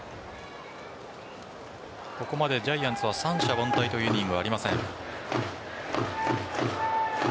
ここまでジャイアンツは三者凡退というイニングありません。